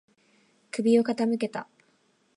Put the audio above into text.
首を傾けた。